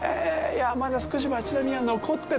あっ、まだ少し町並みが残ってる！